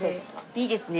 いいですね